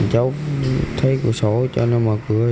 cháu thấy cửa sổ cho nó mở cửa